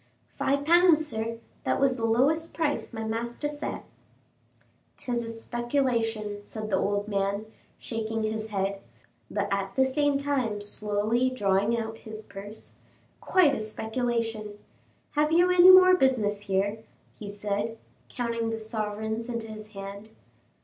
"Five pounds, sir; that was the lowest price my master set." "'Tis a speculation," said the old gentleman, shaking his head, but at the same time slowly drawing out his purse, "quite a speculation! Have you any more business here?" he said, counting the sovereigns into his hand.